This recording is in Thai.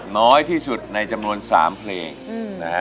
น้อยที่สุดในจำนวน๓เพลงนะฮะ